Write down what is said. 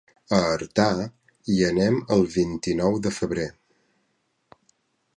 A Artà hi anem el vint-i-nou de febrer.